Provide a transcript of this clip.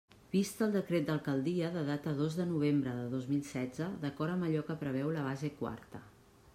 Vist el decret d'alcaldia de data dos de novembre de dos mil setze, d'acord amb allò que preveu la base quarta.